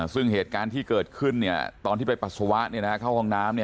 ซึ่งเหตุการณ์ที่เกิดขึ้นตอนที่ไปปัสสาวะเข้าห้องน้ำ